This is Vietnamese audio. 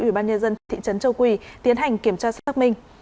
ủy ban nhân dân thị trấn châu quỳ tiến hành kiểm tra xác minh